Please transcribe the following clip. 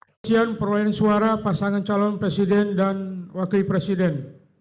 ujian perolehan suara pasangan calon presiden dan wakil presiden